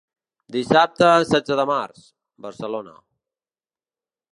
Dissabte setze de març— Barcelona.